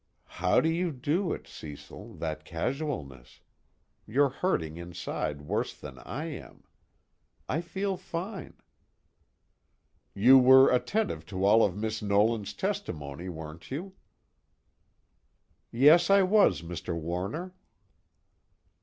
How do you do it, Cecil, that casualness? You're hurting inside worse than I am. I feel fine. "You were attentive to all of Miss Nolan's testimony, weren't you?" "Yes, I was, Mr. Warner."